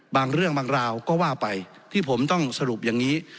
บางเรื่องบางราวก็ว่าไปที่ผมต้องสรุปอย่างนี้